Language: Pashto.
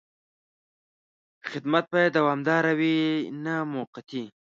خدمت باید دوامداره وي، نه موقتي.